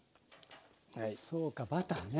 そうかバターね。